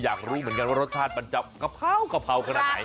อยากรู้เหมือนกันว่ารสชาติมันจะกะเพรากะเพราขนาดไหน